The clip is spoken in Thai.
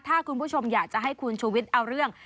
ถ้าคุณผู้ชมอยากจะให้คุณชูวิทย์เอาเรื่อง